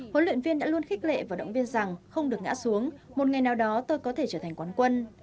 huấn luyện viên đã luôn khích lệ và động viên rằng không được ngã xuống một ngày nào đó tôi có thể trở thành quán quân